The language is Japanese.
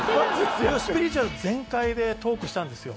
スピリチュアル全開でトークしたんですよ。